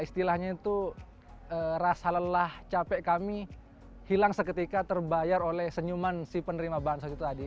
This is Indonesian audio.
istilahnya itu rasa lelah capek kami hilang seketika terbayar oleh senyuman si penerima bansos itu tadi